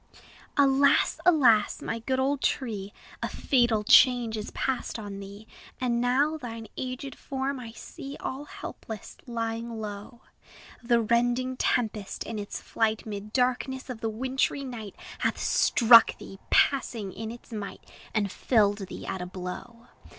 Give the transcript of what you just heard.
Alas! alas! my good old tree, A fatal change is past on thee! And now thine aged form I see, All helpless, lying low: The rending tempest, in its flight 'Mid darkness of the wintry night, Hath struck thee, passing in its might, And felled thee at a blow.